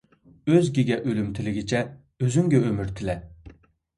ئۆزگىگە ئۆلۈم تىلىگىچە، ئۆزۈڭگە ئۆمۈر تىلە.